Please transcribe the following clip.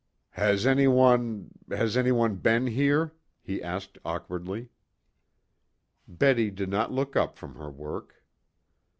"Has any one has anybody been here?" he asked awkwardly. Betty did not look up from her work.